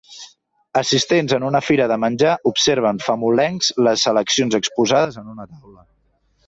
Assistents en una fira de menjar observen famolencs les seleccions exposades en una taula.